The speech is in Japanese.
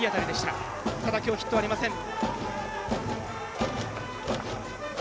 ただ、きょうヒットはありません。